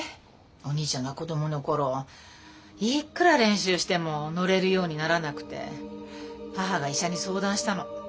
お兄ちゃんが子供の頃いっくら練習しても乗れるようにならなくて母が医者に相談したの。